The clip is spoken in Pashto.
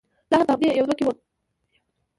لا هم په همدې يوه دوه کې ووم.